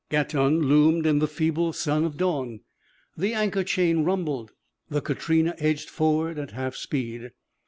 Gatun loomed in the feeble sun of dawn. The anchor chain rumbled. The Katrina edged forward at half speed.